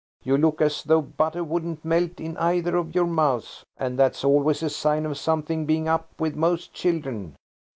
You look as though butter wouldn't melt in either of your mouths, and that's always a sign of something being up with most children."